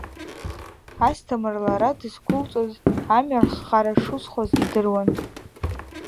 Асҭамыр лара дызқәылҵоз амҩа рххара шусхоз идыруан.